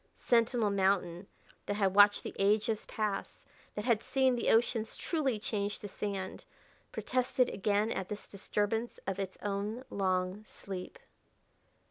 Sentinel Mountain, that had watched the ages pass, that had seen the oceans truly change to sand, protested again at this disturbance of its own long sleep.